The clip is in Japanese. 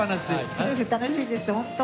すごく楽しいです、本当。